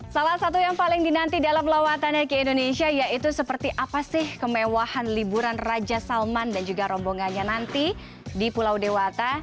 salah satu yang paling dinanti dalam lawatannya ke indonesia yaitu seperti apa sih kemewahan liburan raja salman dan juga rombongannya nanti di pulau dewata